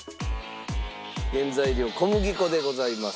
原材料小麦粉でございます。